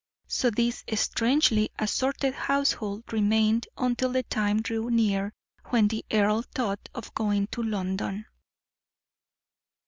So this strangely assorted household remained until the time drew near when the earl thought of going to London.